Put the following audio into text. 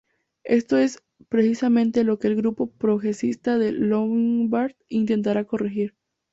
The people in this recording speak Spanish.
Esto es precisamente lo que el grupo progresista de Llombart intentará corregir.